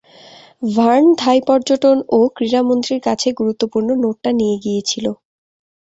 Verne Thai পর্যটন ও ক্রীড়া মন্ত্রীর কাছে গুরুত্বপূর্ণ নোটটা নিয়ে গিয়েছিল।